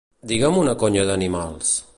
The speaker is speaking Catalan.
Digue'm una conya d'animals.